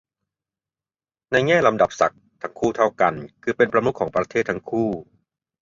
ในแง่ลำดับศักดิ์ ทั้งคู่เท่ากัน คือเป็นประมุขของประเทศทั้งคู่